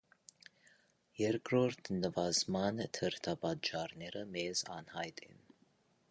Երկրորդ նվազման դրդապատճառները մեզ անհայտ են։